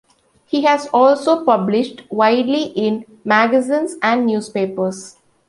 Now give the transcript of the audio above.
He has also published widely in magazines and newspapers.